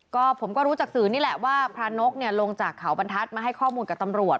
ก็ผมก็รู้จากสื่อนี่แหละว่าพระนกลงจากเขาบรรทัศน์มาให้ข้อมูลกับตำรวจ